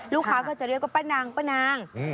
ลูกค้าก็จะเรียกว่าป้านางป้านาง